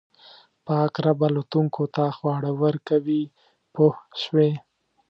پاک رب الوتونکو ته خواړه ورکوي پوه شوې!.